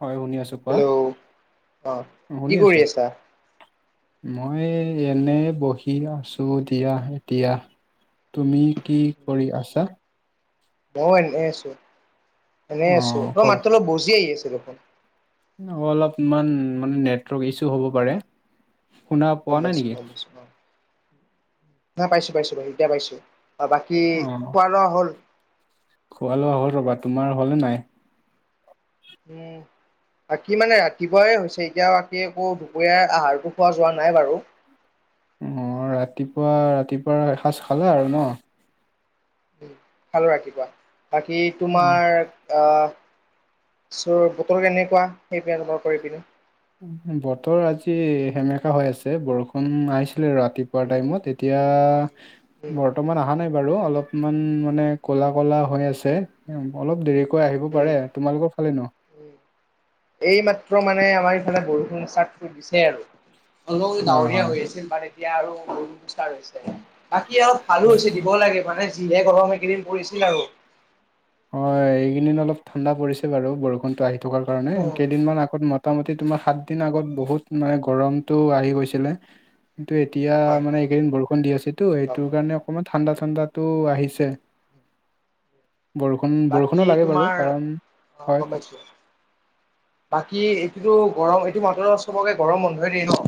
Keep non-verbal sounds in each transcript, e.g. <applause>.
হয় শুনি আছো কোৱা, হেল্ল' অ কি শুনি কৰি আছো। আছা মই এনে বহি আছো দিয়া এতিয়া। তুমি কি কৰি আছা? মই এনে আছো, এনেই অ আছো খ তই মাত্ৰ অলপ বহি আহি আছিল দেখোন। অলপমান মানে নেটৱৰ্ক ইছু হ'ব পাৰে, শুনা গম পোৱা নাই পাইছো নেকি? গম পাইছো অ পাইছো পাইছো, পাই এতিয়া পাইছো বাকী খোৱা লোৱা হ'ল। খোৱালোৱা হ'ল ৰ'বা তোমাৰ হ'লে নাই। উম বাকী মানে ৰাতিপুৱাই হৈছে এতিয়া বাকী একো দুপৰীয়ীয়া আহাৰটো খোৱা যোৱা নাই বাৰু। অ' ৰাতিপুৱা ৰাতিপুৱা এসাঁজ খালা আৰু ন। উম খালো ৰাতিপুৱা, বাকী তোমাৰ- অ, চ ' বতৰ কেনেকুৱা? সেই পিনে তোমাৰ কৰি পিনি? বতৰ আজি সেমেকা হৈ আছে বৰষুণ আহিছিলে ৰা- ৰাতিপুৱা উম টাইমত, এতিয়া- উম উম বৰ্তমান অহা নাই বাৰু, অলপমান মানে কলা কলা হৈ আছে। অলপ দেৰিকৈ আহিব পাৰে, তোমালোকৰ ফালে নো- উম এই মাত্ৰ মানে আমাৰ ইফালে বৰষুণ চাদটো দিছে আৰু। অলপ হয় ডাৱৰীয়া হয় হৈ আছিল বাৰু এতিয়া আৰু, গৰুুষ্টাৰ হৈছে বাকী অলপ- ভালো হৈছে দিব লাগে, মানে যিহে গৰমে কিনম পৰিছিল আৰু। হয় এইকেইদিন অলপ ঠাণ্ডা পৰিছে বাৰু বৰষুণতো আহি- থকাৰ কাৰণে কেইদিন মান আগত মোটামুটি তোমাৰ সাত দিন আগত বহুত- মানে গৰমতটো আহি গৈছিলে, কিন্তু এতিয়া হয় মানে- এইকেইদিন বৰষুণ দি আছে টো এইটোৰ কাৰণে অকণমান ঠাণ্ডাঠণ্ডাতটো আহিছে। বৰষুণ বৰষুণো বাকী লাগে বাৰু তোমাৰ কাৰণ অ হয় গ কওক। পাইছো। বাকী এইটোতো গৰম এইটো মাত্ৰ চবকে গৰম বন্ধয়ে দিয়ে ন।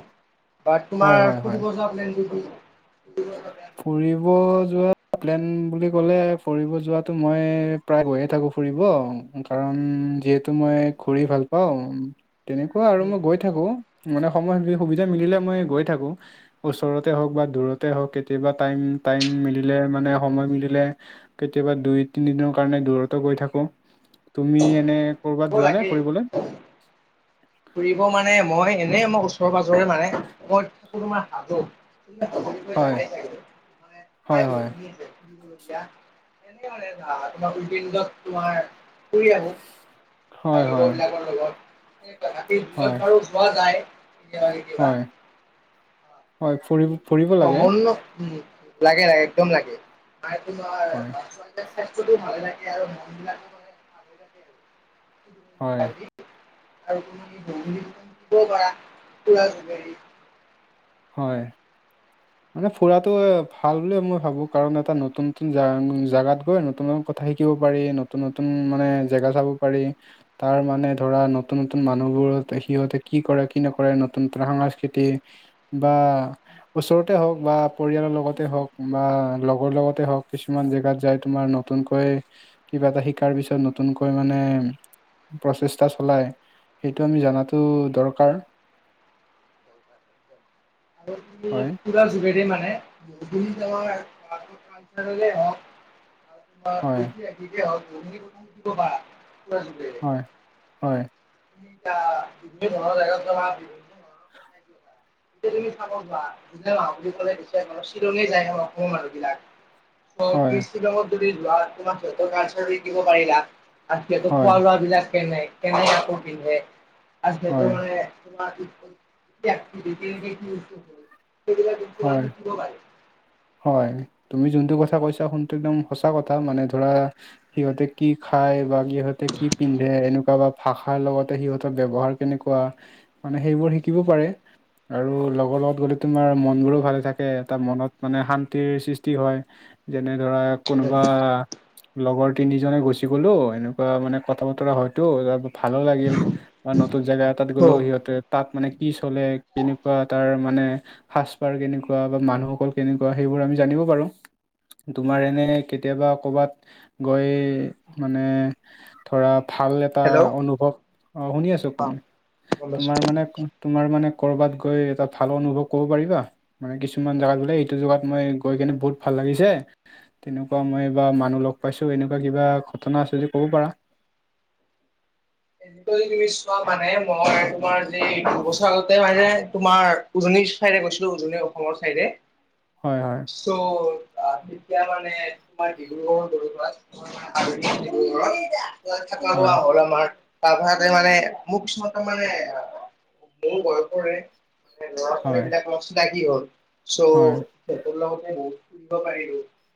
বা হয় তোমাৰ হয় হয় ফুৰিব যোৱা প্লেনটো কি? ফুৰিব যোৱা প্লেন- ফুৰিব যোৱা প্লেন বুলি ক'লে ফুৰিব যোৱাতটো মই- প্ৰায় বয়ে থাকো ফুৰিব কাৰণ যিহেতু মই ফুৰি ভাল পাওঁ। তেনেকুৱা আৰু মই গৈ- থাকো মানে সময় সুবিধা মিলে মই গৈ থাকো ওচৰতে হওক বা দূৰত- তে হওক কেতিয়াবা টাইম টাইম মিলে মানে সময় মিলে। কেতিয়াবা দুই তিনি দিনৰ কাৰণে দূৰতো গৈ থাকো তুমি এনে। যাব ক'ৰবাত যোৱা নে লাগে। ফুৰিবলে। ফুৰিব মানে মই এনেই মই ওচৰে পাজৰে মানে মই থাকো তোমাৰ হাজুত, হয় হয় হয় <unintelligible> এনে তোমাৰ উিন গছ তোমাৰ ফুৰি আহো। হয় লগৰ হয় বিলাকৰ লগত ৰাতি যত হয় বাৰো যোৱা যায়। কেতিয়াবা। হয় হয় বাকী ফৰিব ফুৰিব লাগে। ভ্ৰমণ উম লাগে লাগে একদম লাগে নাই তোমাৰ- হয় স্বাস্থ্যতো ভালে থাকে আৰু মন বিলাকো মানে ভালে থাকে হয় আৰু। <unintelligible> হয়। <inaudible> মানে ফুৰাটো ভাল বুলিয়ে মই ভাবোঁ কাৰণ এটা নতুন নতুন জে জেগাত গৈ নতুন, কথা শিকিব পাৰি নতুন নতুন মানে জেগা চাব পাৰি। তাৰ মানে ধৰা নতুন নতুন মানুহবোৰ সিহঁতে কি কৰে কি নকৰে নতুন নতুন সাংস্কৃতিক। বা, ওচৰতে হওক বা পৰিয়ালৰ লগতে হওক বা লগৰ লগতে হওক কিছুমান জেগাত যাই তোমাৰ, নতুনকৈ কিবা এটা শিকাৰ পিছত নতুনকৈ মানে। প্ৰচেষ্টা চলাই সেইটো আমি জনাতো দৰকাৰ। আৰু হয় পুৰা যুৰেৰে মানে বুখিন আমাৰ হওক <unintelligible> আৰু হয় ঐতিহাসিকে হওক বা য <unintelligible> হয় হয়। ধৰ জেগাত গলা, পিকনিক খাব যোৱা বুলি কলে বেছি ভাগ শ্বিলঙেই যায় ন মানুহ বিলাক। হয় <unintelligible> শিকিব পাৰিলা। আজি আকৌ হয় খোৱা লোৱা বিলাক হয় কেনে কেনে আকৌ পিন্ধে আজিকালি মানে। হয় <unintelligible> হয় তুমি যোনটো কথা কৈছা সোনটো একদম সঁচা কথা মানে ধৰা, সিহঁতে কি খাই বা সিহঁতে কি পিন্ধে এনেকুৱা বা ভাষা, ৰ লগতে সিহঁতৰ ব্যৱহাৰ কেনেকুৱা মানে সেইবোৰ শিকিব পাৰে। আৰু লগৰ লগত গ'লে তোমাৰ মন বোৰো ভালে থাকে এটা মনত। মানে শান্তিৰ সৃষ্টি হয় যেনে ধৰা কোনোবা। লগৰ তিনিজনে গুচি গ'লো। মানে কথা বতৰা হয়তো তাৰ ভালো লাগিল বা নতুন জেগা এটাত অ', গ'লেও সিহঁতে। তাত মানে কি চলে কেনেকুৱা তাৰ মানে। সাজপাৰ কেনেকুৱা বা মানুহসকল কেনেকুৱা সেইবোৰ আমি জানিব পাৰোঁ। তোমাৰ এনে কেতিয়াবা ক'ৰবাত গৈ মানে, ধৰা ভাল এটা হেল্ল' অ অনুভৱ অ শুনি আছোঁ ক গম পাইছো। তোমাৰ মানে। তোমাৰ মানে কৰবাত গৈ এটা ভাল অনুভৱ। ক'ব পাৰিবা মানে কিছুমান জেগাত গলে এইটো জেগাত মই গৈ কিনে বহুত ভাল লাগিছে। তেনেকুৱা মই বা মানুহ লগ পাইছোঁ এনেকুৱা কিবা ঘটনা আছে যদি ক'ব পাৰা। গৈ কিনে চোৱা মানে মই তোমাৰ যি দুবছৰ আগতে মানে তোমাৰ, উজনিৰ চাইডে গৈছিলো উজনি অসমৰ চাইডে। হয় হয়। চ' এতিয়া মানে তোমাৰ ডিব্ৰুগড়ত দদৌ ঘৰ আছে। <unintelligible> আৰু খোৱা থকা শোৱা হয় হ'ল আমাৰ। তাৰ পিছতে মানে মোক কিছুমান তাৰ মানে মোৰ বয়সৰে। মানে ল'ৰা হয় ছোৱালীবিলাকৰ <unintelligible> কি হ'ল হয় চ', লগতে বুব পাৰ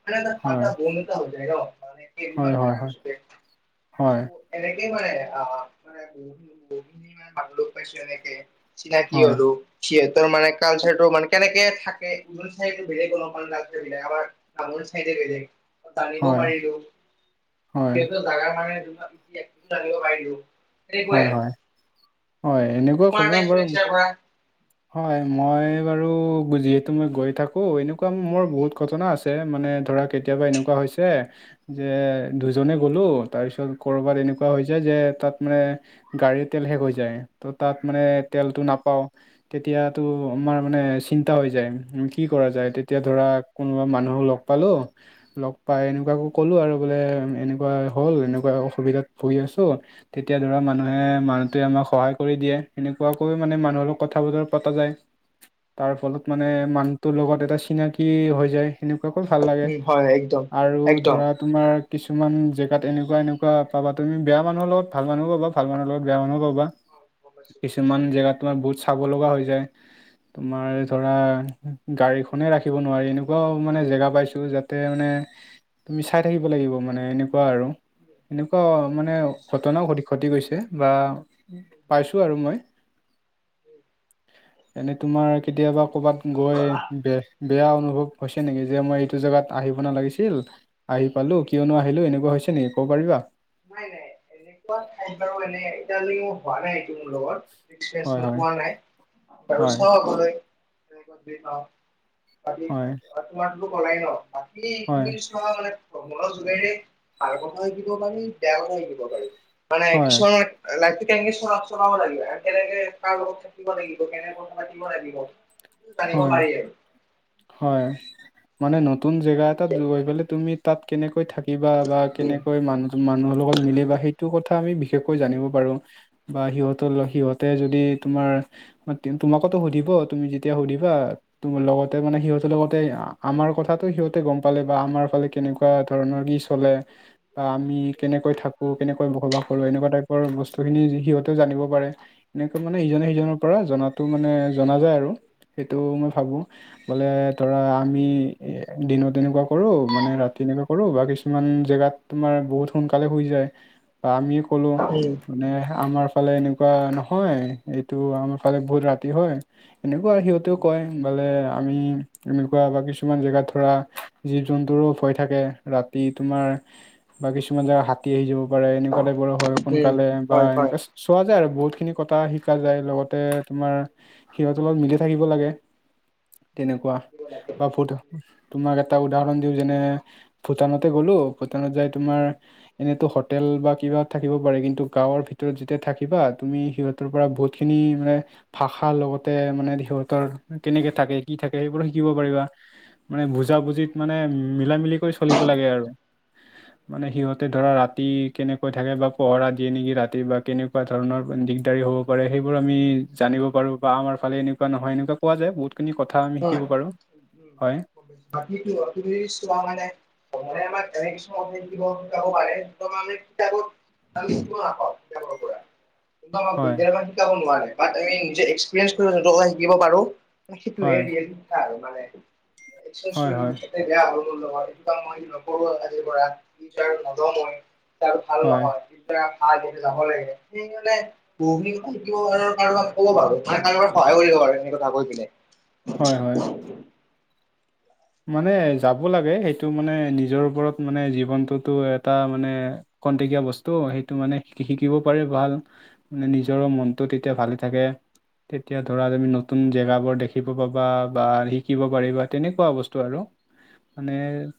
মানটা ফটা হয় বন্টা হৈ যায় ন মানে। হয় কেইদিনমান হয় থকাৰ হয় পিছতে চ' হয়। এনেকেই কৰে <inaudible> পাইছো এনেকে চিনাকি হয় হলোঁ, সিহঁতৰ মানে কালচাৰটো মানে কেনেকে থাকে <unintelligible> জানিব হয় পাৰিলো হয় সেইটো জাগা মানে <inaudible> জানিব পাৰিলো। সেনেকুৱাই হয় আৰু হয় হয় বাকী এনেকুৱা তোমাৰ এটা ঘটনা বাৰু এক্সপিৰিয়েঞ্চ শ্বেয়াৰ কৰা। হয় মই বাৰু যিহেতু মই গৈ থাকো এনেকুৱা মোৰ বহুত ঘটনা আছে। মানে ধৰা কেতিয়াবা এনেকুৱা হৈছে যে দুজনে গ'লো তাৰপিছত। ক'ৰবাত এনেকুৱা হৈ যায় যে তাত। মানে গাড়ীৰ তেল শেষ হৈ যায়, ত' তাত মানে তেলটো নাপাওঁ, তেতিয়াতো আমাৰ মানে চিন্তা হৈ যায় কি কৰা যায়, তেতিয়া ধৰা কোনোবা মানুহক লগ পালোঁ লগ পাই এনেকুৱাকো কলো আৰু বোলে এনেকুৱা হ'ল, এনেকুৱা অসুবিধাত ভুগি আছোঁ, তেতিয়া ধৰা মানুহে মানুহটোৱে আমাক সহায় কৰি দিয়ে। সেনেকুৱাকৈ মানে মানুহৰ লগত কথা বতৰা পতা যায়। তাৰ ফলত মানে মানুহটোৰ লগত এটা চিনাকি হৈ যায়। সনেকুৱাকৈ ভাল লাগে, উম হয় একদম আৰু একদম। ধৰা তোমাৰ কিছুমান জেগাত এনেকুৱা-এনেকুৱা পাবা তুমি বেয়া মানুহৰ লগত ভাল মানুহ পাবা, ভাল মানুহ লগত বেয়া মানুহ পাবা, গম পাইছো গম কিছুমান জেগাত তোমাৰ বহুত চাব লগা হৈ যায়, তোমাৰ ধৰা গাড়ীখনে ৰাখিব নোৱাৰি এনেকুৱাও মানে জেগা পাইছো যাতে মানে তুমি চাই থাকিব লাগিব মানে এনেকুৱা আৰু এনেকুৱা মানে প্ৰতি ক্ষতি গৈছে বা পাইছো আৰু মই। এনেই তোমাৰ কেতিয়াবা কৰ'বাত গৈ পাইছো। বে বেয়া অনুভৱ হৈছে নেকি? যে মই এইটো জেগাত আহিব নালাগিছিল আহি পালোঁ, কিয়নো আহিলোঁ, এনেকুৱা হৈছে নেকি ক'ব পাৰিবা? নাই নাই এনেকুৱা ঠাইত বাৰু এনে এতিয়ালৈ মোৰ হোৱা নাই। মোৰ লগত হয় এক্সপ্ৰইঞ্চটো হয় হোৱা নাই বাৰু হয় চাওঁ আগলৈ। <unintelligible> আজি হয় তোমাৰতো কলাই ন। বাকী এইখিনি হয় চোৱা মানে <unintelligible> বেয়া কথা শিকিব পাৰি, মানে হয় কিছুমান লাগি কেনেকে চ চলাব লাগিব কেনেকে প <inaudible> কিব লাগিব, কেনেক কিব লাগিব, জানিব হয় পাৰি আৰু। হয়। মানে নতুন জেগা এটাত গৈ পেলে তুমি তাত কেনেকৈ থাকিবা বা উম উম কেনেকৈ মানু মানুহৰ লগত মিলে বা সেইটো কথা আমি বিশেষকৈ জানিব উম উম পাৰো বা সিহঁতৰ-সিহঁতে যদি তোমাৰ তোমাকতো সুধিব তুমি এতিয়া সুধিবা ত লগতে মানে সিহঁতৰ লগতে আমাৰ কথাটো সিহঁতে গম পালে বা আমাৰ ফালে কেনেকুৱা কেনেকুৱা ধৰণৰ কি চলে? বা আমি কেনেকৈ থাকো, কেনেকৈ বসবাস কৰো এনেকুৱা টাইপৰ বস্তুখিনি সিহঁতেও জানিব পাৰে। এনেকৈ মানে ইজনে সিজনৰ পৰা জনাটো মানে জনা যায় আৰু সেইটো মই ভাবো, বোলে ধৰা আমি দিনত তেনেকুৱা কৰোঁ, মানে ৰাতি এনেকুৱা কৰোঁ বা কিছুমান জেগাত তোমাৰ বহুত সোনকালে শুই যায় বা আমিওঁ কলো মানে আমাৰ ফালে এনেকুৱা নহয়, এইটো আমাৰ ফালে বহুত ৰাতি হয়। এনে সিহতেও উম কয়। সোনকালে আমি এনেকুৱা বা কিছুমান জেগাত ধৰা জীৱ-জন্তুৰো ভয় থাকে। ৰাতি তোমাৰ বা কিছুমান জেগা হাতী আহি যাব পাৰে, এনেকুৱা টাইপৰ হয়। উম সোনকালে বা হয় হয় এনেকুৱা <inaudible> চোৱা যায় আৰু বহুত খিনি কথা শিকা যায়, লগতে তোমাৰ সিহঁতৰত মিলি <unintelligible> থাকিব লাগে হয়। তেনেকুৱা। বা ভূটা, তোমাক এটা উদাহৰণ দিওঁ যেনে ভূটানতে গ'লো, ভূটানত যাই তোমাৰ এনেতো হোটেল বা কিবা থাকিব পাৰে, কিন্তু গাঁৱৰ ভিতৰত যেতিয়া থাকিবা, তুমি সিহঁত তাৰ পৰা বহুত খিনি মানে ভাষা লগতে মানে সিহঁতৰ কেনেকে থাকে, কি থাকে সেইবোৰো শিকিব পাৰিবা। মানে বুজা-বুজিত মানে মিলা-মিলি কৰি চলিব লাগে আৰু। মানে সিহঁতে ধৰা ৰাতি কেনেকৈ থাকে বা পহৰা দিয়ে নেকি ৰাতি বা কেনেকুৱা ধৰণৰ দিগদাৰি হ'ব পাৰে সেইবোৰ আমি জানিব পাৰো বা আমাৰ ফালে এনেকুৱা নহয়। এনেকুৱা কোৱা যায় বহুত। খিনি কথা আমি শিকিব পাৰো, হয়। বাকী তো তুমি চোৱা মানে মানে আমাৰ তেনে কিছুমান <unintelligible> যাব পাৰে <unintelligible> কালি সেইটো আহক তেবৰ পৰা। সেইটো আমাক হয় বিদালয়ত শিকাব নোৱাৰে বা এই নিজে এক্সপিৰিয়েঞ্চ কৰি যিটো কথা শিকিব পাৰো। হয় <unintelligible> আৰু মানে হয় হয় <unintelligible> এ বেয়া হ'ল মোৰ লগত। এইটো কাম মই নকৰো আজিৰ পৰা। বিচাৰ নলওঁ মই য়া আৰু ভাল হয় নহয়। ধৰা <unintelligible> যাব লাগে সি মানে বহুখিনি কথা শিকিব পাৰো আৰু কাৰোবাক ক'ব পাৰো। মানে কাৰোবাক সহায় কৰিব পাৰো সেইখিনি কথা শিকি কিনে। হয়, হয়। <inaudible> মানে যাব লাগে। সেইটো মানে নিজৰ ওপৰত মানে জীৱনটোতো এটা মানে কনটেকীয়া বস্তু। সেইটো মানে শি শিকিব পাৰিল ভাল। মানে নিজৰো মনটো তেতিয়া ভালে থাকে। তেতিয়া ধৰা তুমি নতুন জেগাবোৰ দেখিব পাবা বা শিকিব পাৰিবা। তেনেকুৱা বচ ত আৰু মানে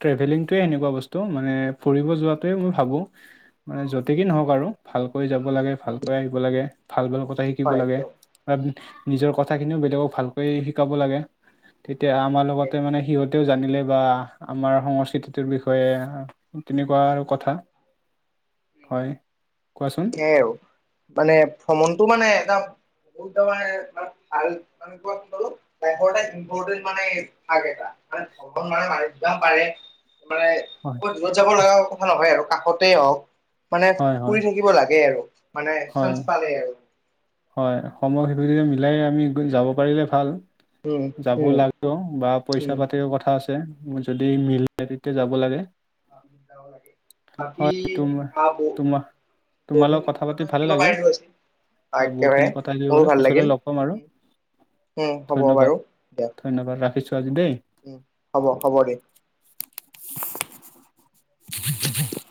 ট্ৰেভেলিংটোৱে এনেকুৱা বস্তু মানে ফুৰিব যোৱাটোৱে মই ভাবো। মানে যতেকি নহওঁক আৰু ভালকৈ যাব লাগে, ভালকৈ আহিব লাগে, ভাল-ভাল কথা শিকিব হয় লাগে। একদম বা নিজৰ কথাখিনিও বেলেগক ভালকৈ শিকাব লাগে, তেতিয়া আমাৰ লগতে মানে সিহঁত তেও জানিলে বা আমাৰ সংস্কৃতিটোৰ বিষয়ে তেনেকুৱা আৰু কথা। হয় কোৱাচোন সেয়াই আৰু মানে ভ্ৰমণটো মানে এটা <unintelligible> ভাল <unintelligible> <unintelligible> এটা ইম্পৰ্টেণ্ট মানে ভাগ এটা মানে ভ্ৰগণ <unintelligible> পাৰে। মানে হয়। দূৰত যাব লাগা কথা নহয় আৰু কাষতেই হওঁক। মানে হয় হয় ফুৰি থাকিব লাগে আৰু মানে হয় চান্স পালেই আৰু। হয়। সময় <unintelligible> মিলাই আমি যাব পাৰিলে ভাল। উম যাব উম লাগে বা পইচা উম পাতিৰ কথা আছে। যদি মিল তেতিয়া যাব লাগে, যাব লাগে বাকী হয় তোমাৰ আহ বহু তোমাৰ তোমাৰ লগত কথা পাতি ভালে শিকিব লাগিল। পাৰিলো আজি হয় একেবাৰে বহুতখিনি কথা মোৰো <unintelligible> ভাল পিছলৈ লাগিল লগ পাম আৰু উম হ'ব বাৰু ধন্যবাদ। দিয়া ধন্যবাদ, ৰাখিছো আজি দেই। উম হ'ব হ'ব দি <unintelligible>